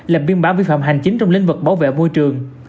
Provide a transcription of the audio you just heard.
làm biên bá vi phạm hành chính trong lĩnh vực bảo vệ môi trường